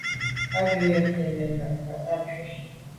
A be ghubte mèn nda’nda’ à kwù.